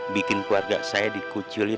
bikin keluarga saya dikucilin